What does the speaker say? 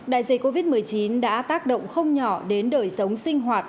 đại dịch covid một mươi chín đã tác động không nhỏ đến đời sống sinh hoạt